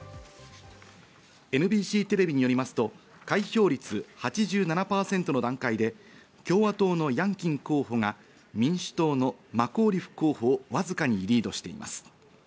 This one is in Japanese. ＮＢＣテレビによりますと、開票率８７％の段階で、共和党のヤンキン候補が民主党のマコーリフ候補をわずかにリードしています。